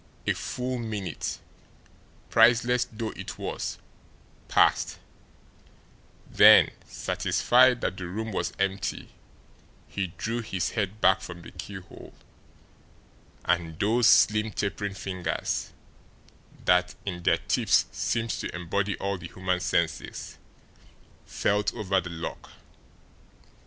A full minute, priceless though it was, passed; then, satisfied that the room was empty, he drew his head back from the keyhole, and those slim, tapering fingers, that in their tips seemed to embody all the human senses, felt over the lock.